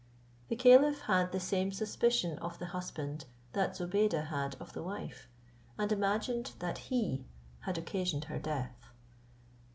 The caliph had the same suspicion of the husband that Zobeide had of the wife, and imagined that he had occasioned her death.